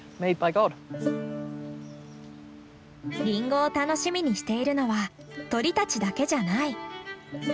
リンゴを楽しみにしているのは鳥たちだけじゃない。